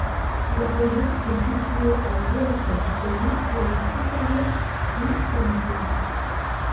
La région est située à l'ouest du pays, elle est frontalière du Cameroun.